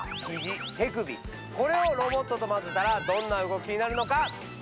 これをロボットとまぜたらどんな動きになるのか？